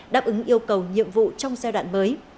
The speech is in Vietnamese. đáp ứng yêu cầu nhiệm vụ trong giai đoạn mới